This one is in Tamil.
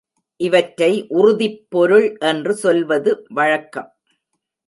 இவற்றை உறுதிப் பொருள் என்று சொல்வது வழக்கம்.